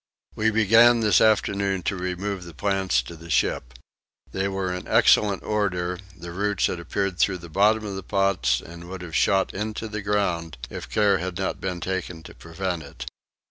We began this afternoon to remove the plants to the ship. They were in excellent order: the roots had appeared through the bottom of the pots and would have shot into the ground if care had not been taken to prevent it.